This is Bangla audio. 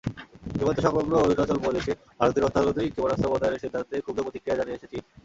সীমান্তসংলগ্ন অরুণাচল প্রদেশে ভারতের অত্যাধুনিক ক্ষেপণাস্ত্র মোতায়েনের সিদ্ধান্তে ক্ষুব্ধ প্রতিক্রিয়া জানিয়েছে চীন।